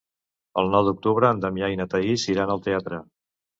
El nou d'octubre en Damià i na Thaís iran al teatre.